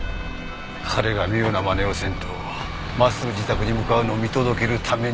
彼が妙な真似をせんと真っすぐ自宅に向かうのを見届けるために。